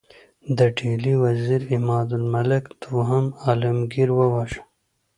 د ډهلي وزیر عمادالملک دوهم عالمګیر وواژه.